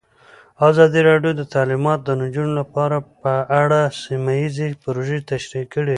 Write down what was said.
ازادي راډیو د تعلیمات د نجونو لپاره په اړه سیمه ییزې پروژې تشریح کړې.